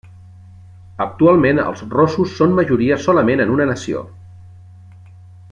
Actualment els rossos són majoria solament en una nació: